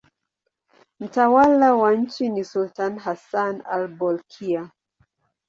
Mtawala wa nchi ni sultani Hassan al-Bolkiah.